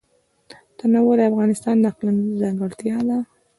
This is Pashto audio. تنوع د افغانستان د اقلیم ځانګړتیا ده.